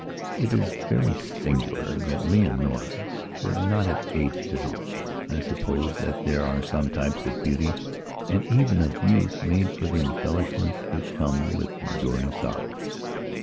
It is very singular that Leonora should not have aged at all. I suppose that there are some types of beauty and even of youth made for the embellishments that come with enduring sorrow.